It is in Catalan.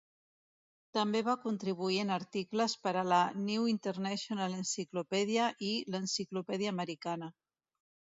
També va contribuir en articles per a la "New International Encyclopedia" i l'"Encyclopedia Americana".